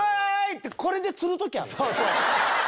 ってこれでつる時ある。